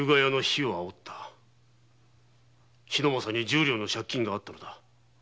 桧政に十両の借金があったのだ。